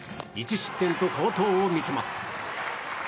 １失点と好投を見せます。